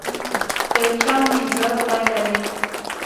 يو چا مې زړه بايللی.